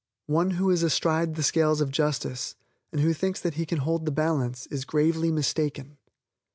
One who is astride the scales of justice, and who thinks that he can hold the balance, is gravely mistaken.